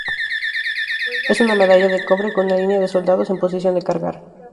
Es una medalla de cobre con una línea de soldados en posición de cargar.